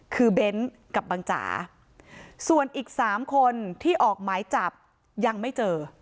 คือเบ้นกับบังจ๋าส่วนอีก๓คนที่ออกหมายจับยังไม่เจอ